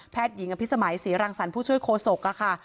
แพทย์หญิงอภิสมัยศรีรังสรรค์ผู้ช่วยโคศกค่ะค่ะ